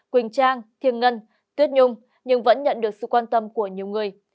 quỳnh trang thiêng ngân tuyết nhung nhưng vẫn nhận được sự quan tâm của nhiều người